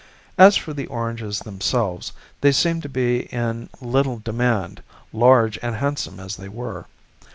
As for the oranges themselves, they seemed to be in little demand, large and handsome as they were.